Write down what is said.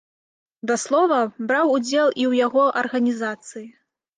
Да слова, браў удзел і ў яго арганізацыі.